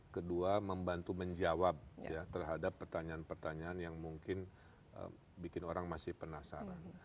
kedua membantu menjawab terhadap pertanyaan pertanyaan yang mungkin bikin orang masih penasaran